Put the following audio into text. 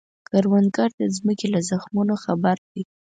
کروندګر د ځمکې له زخمونو خبر دی